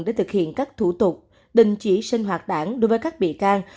để thực hiện các thủ tục đình chỉ sinh hoạt đảng đối với các bị can